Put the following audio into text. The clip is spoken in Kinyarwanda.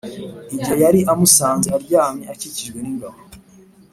igihe yari amusanze aryamye akikijwe n’ingabo